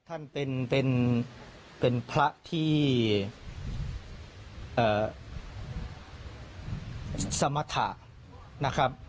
ท่านเป็นพระที่สมรรถะนะครับ